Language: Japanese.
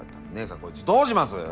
姐さんこいつどうします？